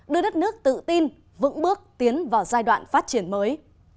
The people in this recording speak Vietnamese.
đưa đất nước tự tin vững bước tiến vào giai đoạn phát triển mới